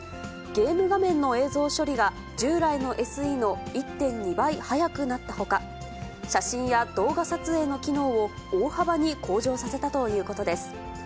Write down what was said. ゲーム画面の映像処理が従来のＳＥの１．２倍速くなったほか、写真や動画撮影の機能を大幅に向上させたということです。